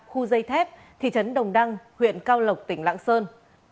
khu dây thép thị trấn đồng đăng huyện cao lộc tỉnh lạng sơn